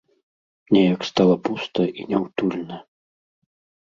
Неяк стала пуста і няўтульна.